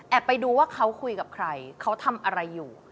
ไปดูว่าเขาคุยกับใครเขาทำอะไรอยู่